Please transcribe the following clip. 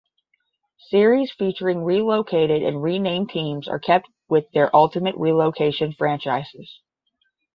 Series featuring relocated and renamed teams are kept with their ultimate relocation franchises.